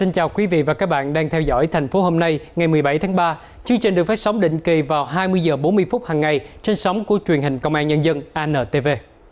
chương trình được phát sóng định kỳ vào hai mươi h bốn mươi phút hằng ngày trên sóng của truyền hình công an nhân dân antv